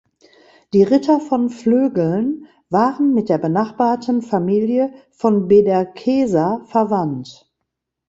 Die Ritter von Flögeln waren mit der benachbarten Familie von Bederkesa verwandt.